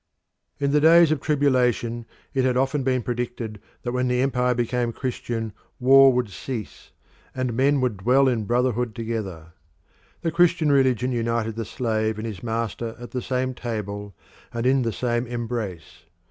In the days of tribulation it had often been predicted that when the empire became Christian war would cease, and men would dwell in brotherhood together. The Christian religion united the slave and his master at the same table and in the same embrace.